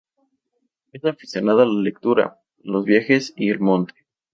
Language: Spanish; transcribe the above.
Es aficionada a la lectura, los viajes y el monte.